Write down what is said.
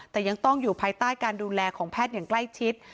แต่ยังต้องอยู่ภายใต้การดูแลของแพทย์อย่างใกล้ชิด